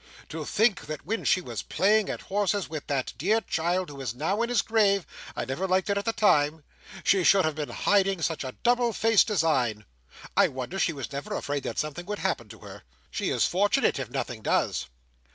To think that when she was playing at horses with that dear child who is now in his grave—I never liked it at the time—she should have been hiding such a double faced design! I wonder she was never afraid that something would happen to her. She is fortunate if nothing does."